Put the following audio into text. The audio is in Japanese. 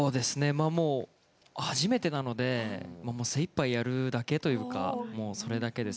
初めてなので精いっぱいやるだけというかそれだけです。